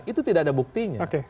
itu tidak ada buktinya